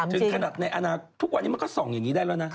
ถึงขนาดในอนาคตนี้มันก็ส่องอย่างนี้ได้แล้วนะ